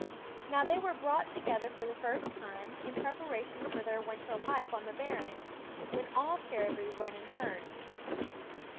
Now they were brought together for the first time in preparation for their winter life on the barrens, when all caribou run in herds.